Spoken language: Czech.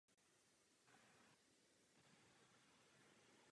Následně krátce podnikal.